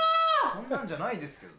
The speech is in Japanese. そんなんじゃないですけど。